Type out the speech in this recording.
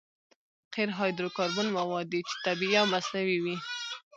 قیر هایدرو کاربن مواد دي چې طبیعي او مصنوعي وي